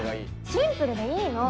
シンプルでいいの！